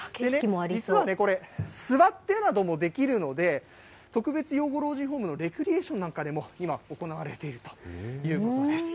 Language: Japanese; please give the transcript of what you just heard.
実はこれ、座ってなどもできるので、特別養護老人ホームのレクリエーションなどでも今、行われているということです。